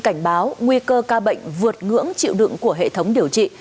cảnh báo nguy cơ ca bệnh vượt ngưỡng chịu đựng của hệ thống điều trị